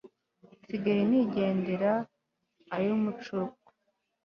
nsigaye nigendera ay'umucuko